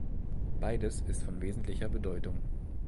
Beides ist von wesentlicher Bedeutung.